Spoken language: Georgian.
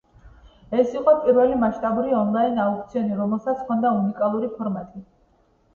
ეს იყო პირველი მასშტაბური ონლაინ აუქციონი, რომელსაც ჰქონდა უნიკალური ფორმატი.